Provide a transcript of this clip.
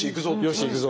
「よしいくぞ！」